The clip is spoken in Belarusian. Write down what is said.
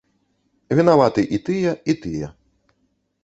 Вінаваты і тыя, і тыя.